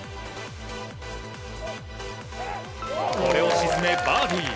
これを沈め、バーディー。